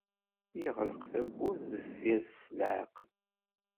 Yeɣleq tawwurt deffir-s s leɛqel.